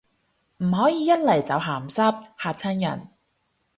唔可以一嚟就鹹濕，嚇親人